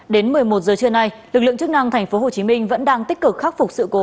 đến một mươi một giờ trưa nay lực lượng chức năng tp hcm vẫn đang tích cực khắc phục sự cố